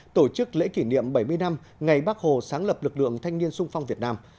tổ chức lễ kỷ niệm bảy mươi năm ngày bác hồ sáng lập lực lượng thanh niên sung phong việt nam